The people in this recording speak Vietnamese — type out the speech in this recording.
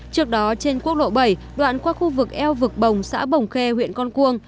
trước đó trên quốc lộ bảy đoạn qua khu vực eo vực bồng xã bồng khê huyện con cuông